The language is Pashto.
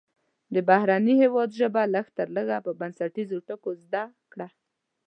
د بهرني هیواد ژبه لږ تر لږه په بنسټیزو ټکو زده کړه.